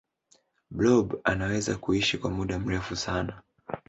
blob anaweza kuishi kwa muda mrefu sana